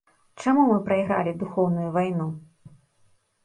Чаму мы прайгралі духоўную вайну?